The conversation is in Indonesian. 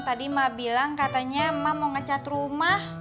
tadi mama bilang katanya mama mau ngecat rumah